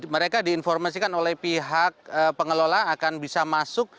mereka diinformasikan oleh pihak pengelola akan bisa masuk